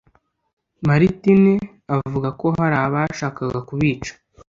Martine avuga ko hari abashakaga kubica